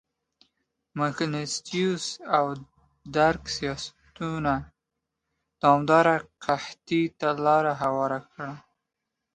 د منګستیو او درګ سیاستونو دوامداره قحطۍ ته لار هواره کړه.